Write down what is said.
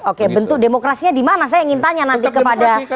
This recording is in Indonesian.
oke bentuk demokrasinya dimana saya ingin tanya nanti kepada